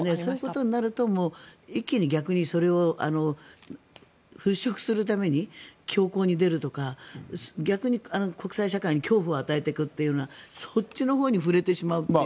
となると一気に逆にそれを払しょくするために強硬に出るとか逆に国際社会に恐怖を与えていくというようなそっちのほうに振れてしまうという。